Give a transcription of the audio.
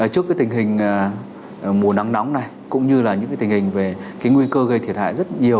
trước cái tình hình mùa nắng nóng này cũng như là những tình hình về cái nguy cơ gây thiệt hại rất nhiều